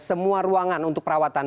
semua ruangan untuk perawatan